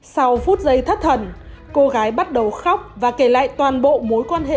sau phút giây thất thần cô gái bắt đầu khóc và kể lại toàn bộ mối quan hệ